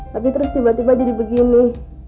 tapi terus tiba tiba jadi begini